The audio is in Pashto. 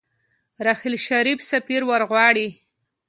راحیل شريف سفير ورغواړي.